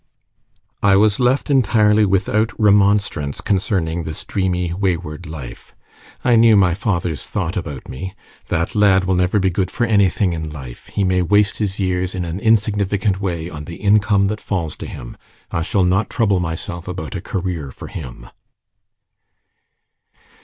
I was left entirely without remonstrance concerning this dreamy wayward life: I knew my father's thought about me: "That lad will never be good for anything in life: he may waste his years in an insignificant way on the income that falls to him: I shall not trouble myself about a career for him."